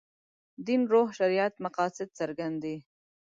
دین روح شریعت مقاصد څرګند دي.